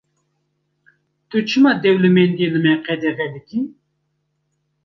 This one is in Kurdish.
Tu çima dewlemendiyê li me qedexe dikî?